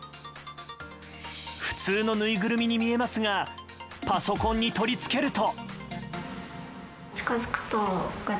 普通のぬいぐるみに見えますがパソコンに取り付けると。